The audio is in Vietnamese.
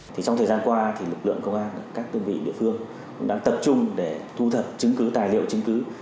trong thời gian qua lực lượng công an các tương vị địa phương cũng đang tập trung để thu thật chứng cứ tài liệu chứng cứ